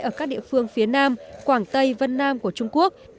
ở các địa phương phía nam quảng tây vân nam của trung quốc